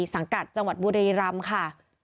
สังกัดจังหวัดบุรีรำค่ะ